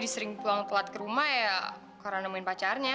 biarin pulang telat ke rumah ya karena nemuin pacarnya